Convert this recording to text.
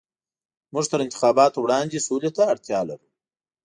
موږ تر انتخاباتو وړاندې سولې ته اړتيا لرو.